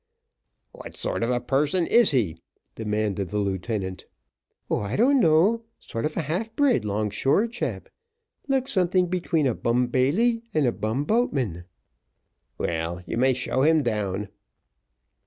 "What sort of a person is he?" demanded the lieutenant. "Oh, I don't know, sort of half bred, long shore chap looks something between a bumbailey and a bum boatman." "Well, you may show him down."